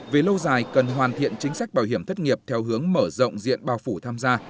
về lâu dài cần hoàn thiện chính sách bảo hiểm thất nghiệp theo hướng mở rộng diện bảo phủ tham gia